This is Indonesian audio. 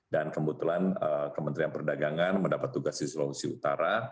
dan kebetulan kementerian perdagangan mendapat tugas di sulawesi utara